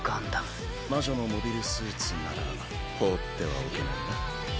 魔女のモビルスーツなら放ってはおけないな。